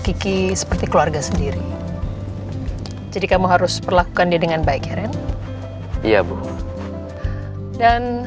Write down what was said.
kiki seperti keluarga sendiri jadi kamu harus perlakukan dia dengan baik karen iya dan